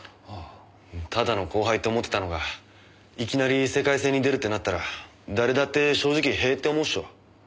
ただの後輩って思ってたのがいきなり世界戦に出るってなったら誰だって正直へえって思うっしょ。